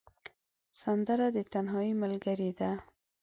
سندره د تنهايي ملګرې ده